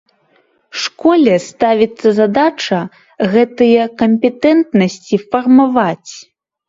Школе ставіцца задача гэтыя кампетэнтнасці фармаваць.